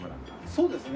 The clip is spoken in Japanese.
そうですね。